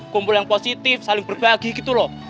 kumpul yang positif saling berbagi gitu loh